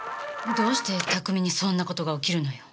どうして拓海にそんな事が起きるのよ？